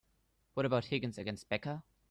What about Higgins against Becca?